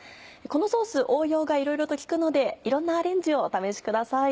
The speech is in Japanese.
このソース応用がいろいろと利くのでいろんなアレンジをお試しください。